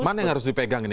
mana yang harus dipegang ini